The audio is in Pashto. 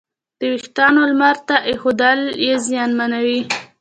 د وېښتیانو لمر ته ایښودل یې زیانمنوي.